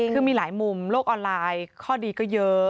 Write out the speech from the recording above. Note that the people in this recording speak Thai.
คือมีหลายมุมโลกออนไลน์ข้อดีก็เยอะ